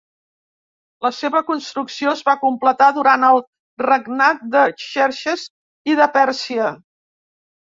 La seva construcció es va completar durant el regnat de Xerxes I de Pèrsia.